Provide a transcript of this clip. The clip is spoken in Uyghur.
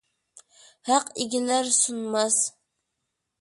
ھەق ئېگىلەر، سۇنماس!